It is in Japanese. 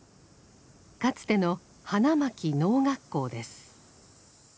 かつての花巻農学校です。